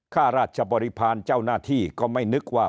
ข้าราชบริพาณเจ้าหน้าที่ก็ไม่นึกว่า